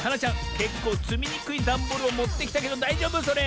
けっこうつみにくいダンボールをもってきたけどだいじょうぶそれ？